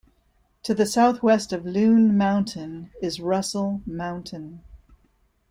To the southwest of Loon Mountain is Russell Mountain.